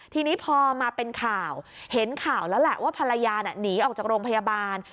ทีนี้พอมาเป็นข่าวเห็นข่าวแล้วแหละว่าภรรยาน่ะหนีออกจากโรงพยาบาล